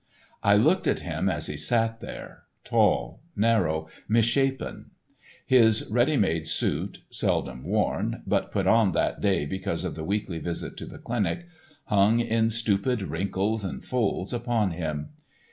I looked at him as he sat there, tall, narrow, misshapen. His ready made suit, seldom worn, but put on that day because of the weekly visit to the clinic, hung in stupid wrinkles and folds upon him.